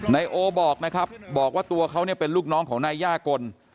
นายโอบอกนะครับบอกว่าตัวเขาเนี่ยเป็นลูกน้องของนายย่ากล